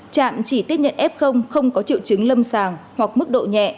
trạm chỉ tiếp nhận ép không không có triệu chứng lâm sàng hoặc mức độ nhẹ